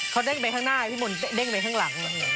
เขาเด้งไปข้างหน้าพี่มนต์เด้งไปข้างหลัง